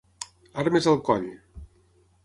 Armes al coll!